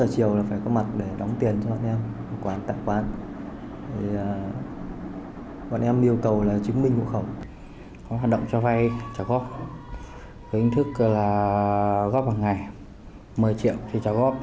có hoạt động cho vai